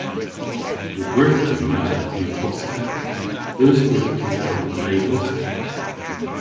An gwerthji ma yw kostek. Eus gwerthji aral le gostek?